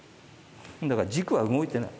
だから軸は動いてない。